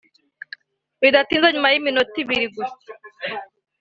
Bidatinze nyuma y’iminota ibiri gusa